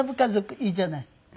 いいじゃない？